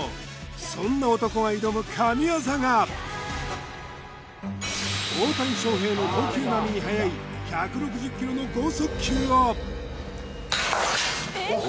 そんな男が挑む神業が大谷翔平の投球並みに速い１６０キロの豪速球を・おお・